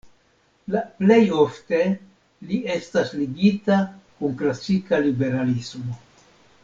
La plej ofte li estas ligita kun klasika liberalismo.